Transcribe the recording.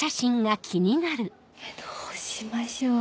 どうしましょう。